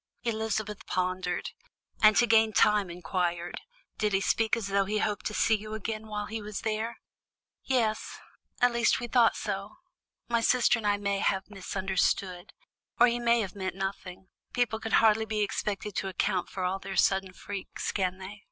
Elizabeth pondered, and to gain time inquired: "Did he speak as though he hoped to see you again while he was there?" "Yes at least we thought so; my sister and I may have misunderstood, or he may have meant nothing; people can hardly be expected to account for all their sudden freaks, can they?"